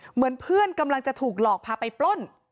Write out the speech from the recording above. เหมือนเพื่อนกำลังจะถูกหลอกพาไปปล้น